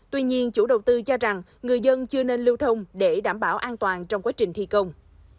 tuy nhiên chủ đầu tư cho rằng người dân chưa nên lưu thông để đảm bảo an toàn trong quá trình thi công